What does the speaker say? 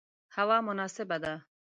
هوا مناسبه ده